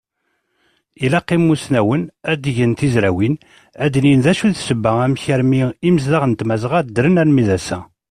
Ilaq imusnawen ad gen tizrawin, ad anin d acu i d ssebba amek armi inezdaɣ n Tmazɣa ddren armi d assa!